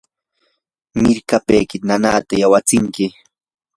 mirkapaykita nanaata yawatsinki.